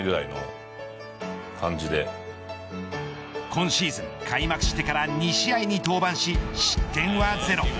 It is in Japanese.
今シーズン開幕してから２試合に登板し失点はゼロ。